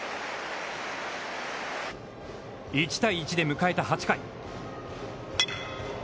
１対１で迎えた８回。